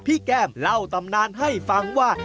แก้มเล่าตำนานให้ฟังว่า